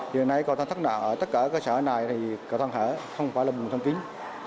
giờ này cầu thang thắt nạn ở tất cả các cơ sở này thì cầu thang hở không phải là bùn thang kính